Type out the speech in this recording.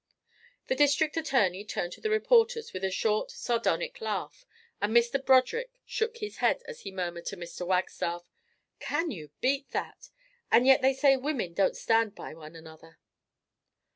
The District Attorney turned to the reporters with a short sardonic laugh, and Mr. Broderick shook his head as he murmured to Mr. Wagstaff: "Can you beat that? And yet they say women don't stand by one another."